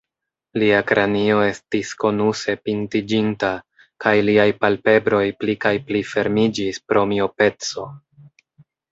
Lia kranio estis konuse pintiĝinta, kaj liaj palpebroj pli kaj pli fermiĝis pro miopeco.